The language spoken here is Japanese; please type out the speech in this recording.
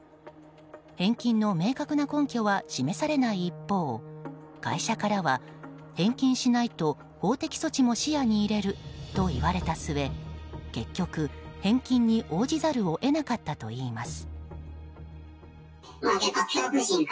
返金の明確な根拠は示されない一方会社からは返金しないと法的措置も視野に入れると言われた末結局、返金に応じざるを得なかったといいます。